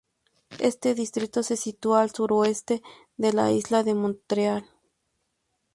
Este distrito se sitúa al suroeste de la isla de Montreal.